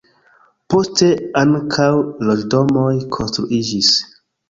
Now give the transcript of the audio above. Poste ankaŭ loĝdomoj konstruiĝis.